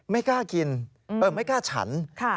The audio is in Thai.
ไม่กล้ากินไม่กล้าฉัน